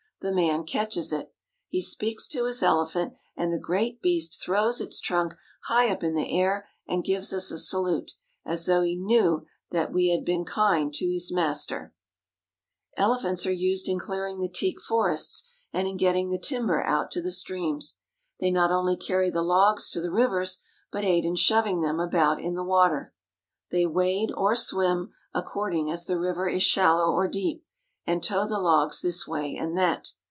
The man catches it. He speaks to his elephant, and the great beast throws its trunk high up into the air and gives us a salute, as though it knew that we had been kind to his master. CARP. ASIA — 14 226 THE WORKING ELEPHANTS IN BURMA Elephants are used in clearing the teak forests and in getting the timber out to the streams. They not only carry the logs to the rivers, but aid in shoving them about in the water. They wade or swim according as the river is shal low or deep, and tow the logs this way and that.